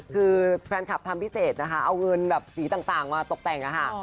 คือแฟนคลับทำพิเศษนะคะเอาเงินแบบสีต่างมาตกแต่งนะคะ